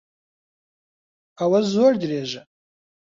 ئەوە زۆر درێژە.